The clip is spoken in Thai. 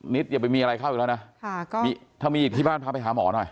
นิดอย่าไปมีอะไรเข้าอยู่แล้วนะค่ะก็มีถ้ามีอีกที่บ้านพาไปหาหมอหน่อย